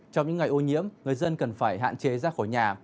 trong những ngày ô nhiễm người dân cần phải hạn chế ra khỏi nhà